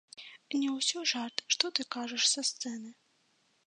Не ўсё жарт, што ты кажаш са сцэны?